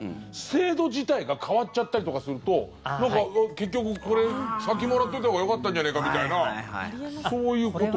制度自体が変わっちゃったりとかするとなんか結局、これ先もらっといたほうがよかったんじゃないかみたいなそういうことは。